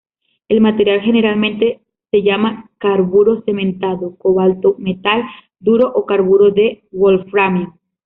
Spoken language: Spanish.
El material generalmente se llama carburo cementado, cobalto metal duro o carburo de wolframio.